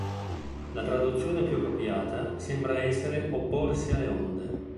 La traduzione più appropriata sembra essere "opporsi alle onde".